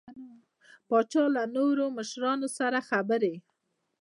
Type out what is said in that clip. پاچا له نورو مشرانو سره خبرې